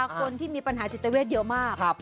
คนที่มีปัญหาจิตเวทเยอะมาก